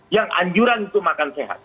yang anjuran itu makan sehat